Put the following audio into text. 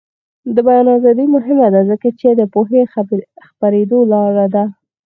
د بیان ازادي مهمه ده ځکه چې د پوهې خپریدو لاره ده.